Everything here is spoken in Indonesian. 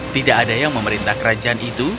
tidak ada yang memerintah kerajaan itu